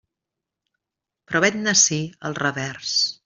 Però vet-ne ací el revers.